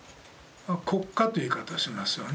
「国家」という言い方をしますよね。